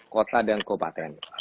kota dan kopaten